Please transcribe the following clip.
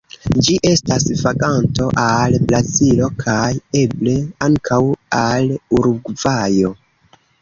Ĝi estas vaganto al Brazilo kaj eble ankaŭ al Urugvajo.